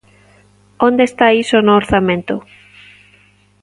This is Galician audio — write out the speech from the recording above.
¿Onde está iso no orzamento?